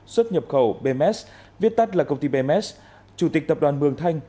xuất nhập khẩu bms viết tắt là công ty bms chủ tịch tập đoàn mường thanh